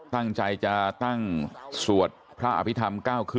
ตั้งใจจะตั้งสวดพระอภิษฐรรม๙คืน